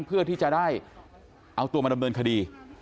เพื่อที่จะได้เอาตัวมาดำเนินคดี